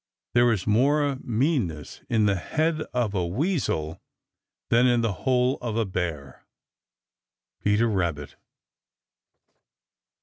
There is more meanness in the head of a Weasel than in the whole of a Bear. Peter Rabbit.